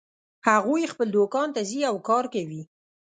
هغوی خپل دوکان ته ځي او کار کوي